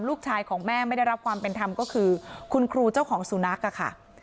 ลูกชายของแม่ไม่ได้รับความเป็นธรรมก็คือคุณครูเจ้าของสุนัขค่ะ